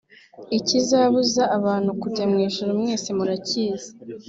Ikizabuza abantu kujya mu ijuru mwese murakizi